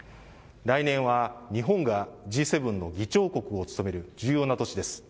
来年は日本がＧ７の議長国を務める重要な年です。